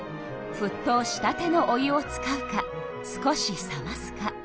ふっとうしたてのお湯を使うか少し冷ますか。